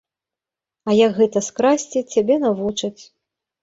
А як гэта скрасці, цябе навучаць.